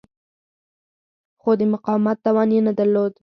خو د مقاومت توان یې نه درلود.